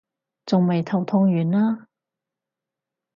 仲未頭痛完啊？